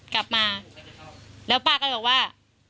กลับมาแล้วป้าก็เลยบอกว่า